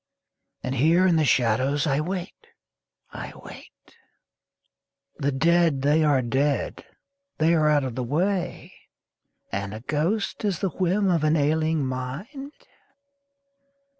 And here in the shadows I wait, I wait! The dead they are dead, they are out of the way? And a ghost is the whim of an ailing mind?